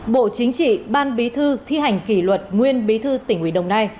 bộ chính trị ban bí thư thi hành kỷ luật nguyên bí thư tỉnh ủy đồng nai